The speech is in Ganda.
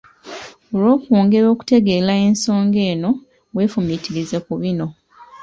Olw’okwongera okutegeera ensonga eno weefumitirize ku bino.